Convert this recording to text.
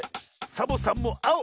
サボさんもあお！